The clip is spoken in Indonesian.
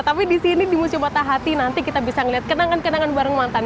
tapi disini di musim patah hati nanti kita bisa melihat kenangan kenangan bareng mantan